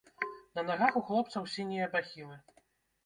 На нагах у хлопцаў сінія бахілы.